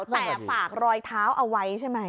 แต่ฝากรอยเท้าเอาไว้ใช่ไหม